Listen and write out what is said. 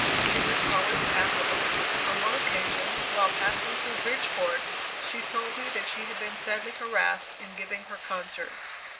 She was always affable. On one occasion, while passing through Bridgeport, she told me that she had been sadly harassed in giving her concerts.